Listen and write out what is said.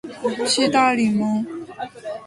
去大理不